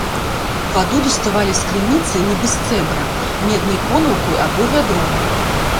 Ваду даставалі з крыніцы, нібы з цэбра, меднай конаўкай або вядром.